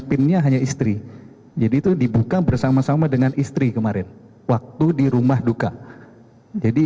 pinnya hanya istri jadi itu dibuka bersama sama dengan istri kemarin waktu di rumah duka jadi